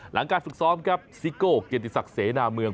หลังการฝึกซ้อมครับซิโก้เกียรติศักดิ์เสนาเมือง